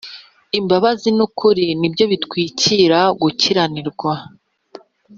Imbabazi n‟ukuri nibyo bitwikira gukiranirwa